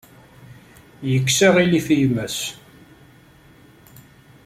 Yekkes aɣilif i yemma-s.